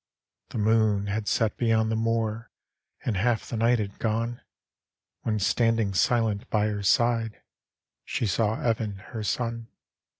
The moon had set beyond the moor, And half the night had gone, When standing silent by her side She saw Evan her son.